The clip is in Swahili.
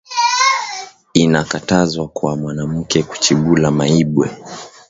Ina katazwa kwa mwanamuke kuchibula maibwe